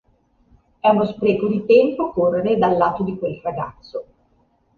È uno spreco di tempo correre dal lato di quel ragazzo.